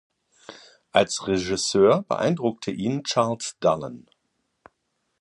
Als Regisseur beeindruckte ihn Charles Dullin.